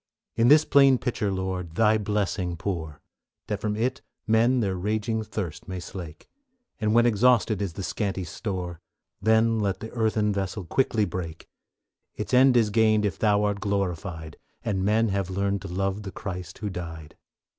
In this plain pitcher, Lord, Thy blessing pour, That from it men their raging thirst may slake, And when exhausted is the scanty store, Then let the earthen vessel quickly break; Its end is gained if Thou art glorified, And men have learned to love the Christ who died.